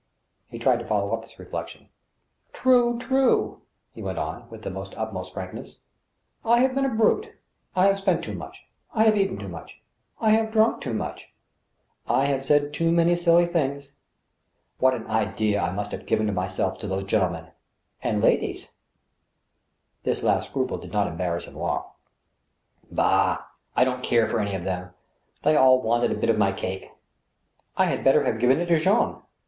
He tried to follow up this reflection. " True, true," he went on, with the utmost frankness, " I have been a brute ; I have spent too much ; I have eaten too much ; I have drunk too much ;... I have said too many silly things. ... What an idea I must have given of myself to those gentlemen •.. and ladies I " This last scruple did not embarrass him long. " Bah ! I don't care for any of them ! They all wanted a bit of my cake. ... I had better have given it to Jean.